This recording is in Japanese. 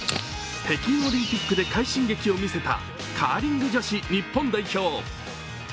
北京オリンピックで快進撃を見せたカーリング女子日本代表。